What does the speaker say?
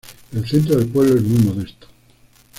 El centro del pueblo es muy modesto.